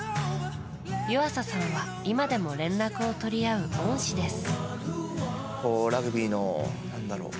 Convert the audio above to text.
湯浅さんは今でも連絡を取り合う恩師です。